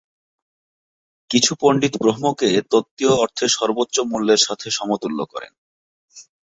কিছু পণ্ডিত ব্রহ্মকে তত্ত্বীয় অর্থে সর্বোচ্চ মূল্যের সাথে সমতুল্য করেন।